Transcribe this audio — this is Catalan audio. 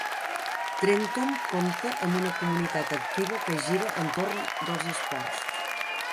Trenton compta amb una comunitat activa que gira entorn dels esports.